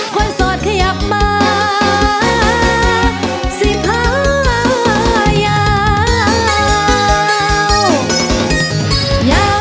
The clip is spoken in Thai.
คนสดขยับมาสีผ้ายาว